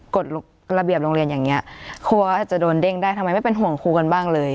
กฎระเบียบโรงเรียนอย่างนี้ครูก็อาจจะโดนเด้งได้ทำไมไม่เป็นห่วงครูกันบ้างเลย